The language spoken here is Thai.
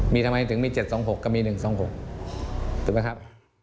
มีทำไมถึงมี๗๒๖ก็มี๑๒๖ถูกไหมครับ